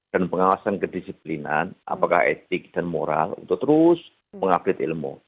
dan pengawasan kedisiplinan apakah etik dan moral untuk terus mengupdate ilmu